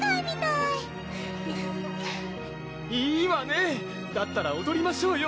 いいわねだったらおどりましょうよ！